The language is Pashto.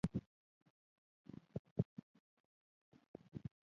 کیمیا په اصل کې د څه شي څیړنه ده.